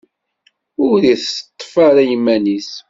Ur iteṭṭef ara iman-is.